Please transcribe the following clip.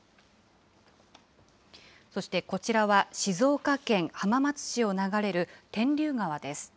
そして、こちらは静岡県浜松市を流れる天竜川です。